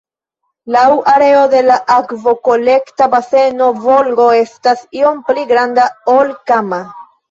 Laŭ areo de akvokolekta baseno Volgo estas iom pli granda ol Kama.